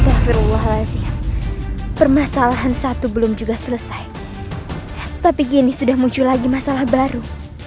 terima kasih permasalahan satu belum juga selesai tapi gini sudah muncul lagi masalah baru